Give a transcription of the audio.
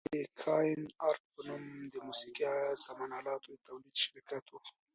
د کاین ارټ په نوم د موسقي سامان الاتو د تولید شرکت و.